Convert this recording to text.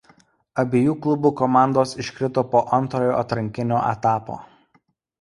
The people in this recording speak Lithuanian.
Abiejų klubų komandos iškrito po antrojo atrankinio etapo.